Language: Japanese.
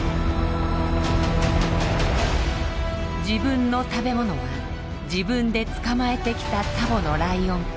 自分の食べ物は自分で捕まえてきたツァボのライオン。